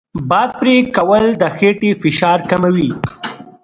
باد پرې کول د خېټې فشار کموي.